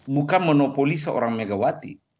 bukan monopoli seorang megawati